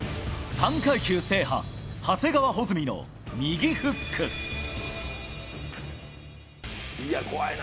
３階級制覇、長谷川穂積の右いや、怖いな。